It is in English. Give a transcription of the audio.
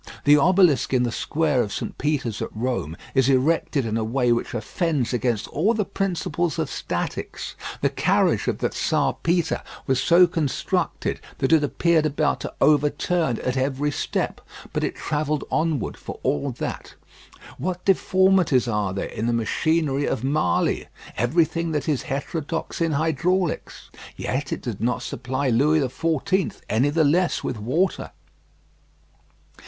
The obelisk in the square of St. Peter's at Rome is erected in a way which offends against all the principles of statics. The carriage of the Czar Peter was so constructed that it appeared about to overturn at every step; but it travelled onward for all that. What deformities are there in the machinery of Marly! Everything that is heterodox in hydraulics. Yet it did not supply Louis XIV. any the less with water.